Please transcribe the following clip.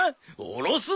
おろすぞ！